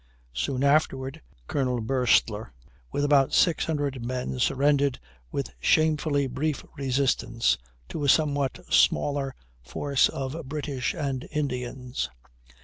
Soon afterward, Col. Boerstler with about 600 men surrendered with shamefully brief resistance to a somewhat smaller force of British and Indians.